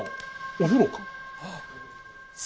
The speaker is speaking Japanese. お風呂か。